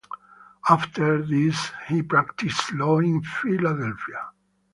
After this he practiced law in Philadelphia.